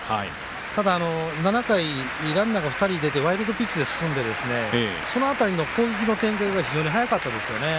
ただ、７回、ランナーが２人でワイルドピッチで進んでその辺りの攻撃の展開が非常に早かったですよね。